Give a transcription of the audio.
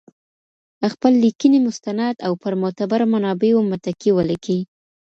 خپل لیکنې مستند او پر معتبره منابعو متکي ولیکئ.